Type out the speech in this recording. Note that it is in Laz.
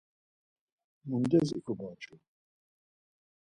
Mundes ikomocu?